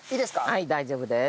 はい大丈夫です。